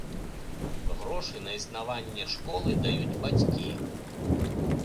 Грошы на існаванне школы даюць бацькі.